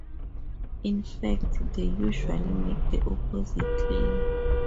In fact, they usually make the opposite claim.